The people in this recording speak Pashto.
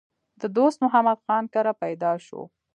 د دوست محمد خان کره پېدا شو